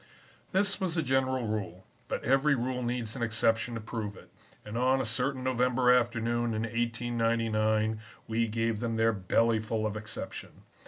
"This was the general rule, but every rule needs an exception to prove it, and on a certain November afternoon in 1899 we gave them their belly full of exception.